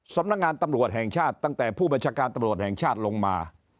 สำนักงานตำรวจแห่งชาติตั้งแต่ผู้บัญชาการตำรวจแห่งชาติลงมา